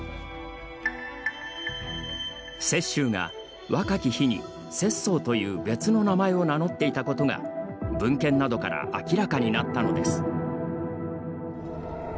雪舟が、若き日に拙宗という別の名前を名乗っていたことが文献などから明らかになったのです。